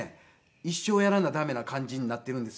一生やらな駄目な感じになっているんですよ。